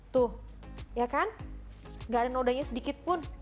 tuh ya kan gak ada nodanya sedikit pun